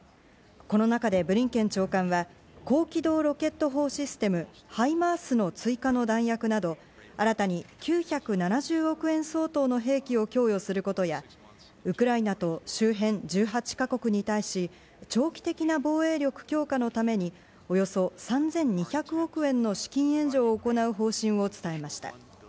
この中でブリンケン長官は高機動ロケット砲システム・ＨＩＭＡＲＳの追加の弾薬など、新たに９７０億円相当の兵器を供与することや、ウクライナと周辺１８か国に対し、長期的な防衛力強化のためにおよそ３２００億円の資金援助を行う方針を伝えました。